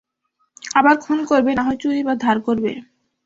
আবার খুন করবে না হয় চুরি বা ধার করবে।